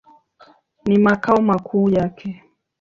Ni makao makuu yake.